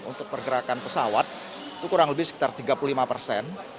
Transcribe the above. untuk pergerakan pesawat itu kurang lebih sekitar tiga puluh lima persen